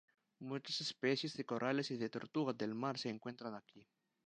Muchas especies de corales y de tortuga del mar se encuentran aquí.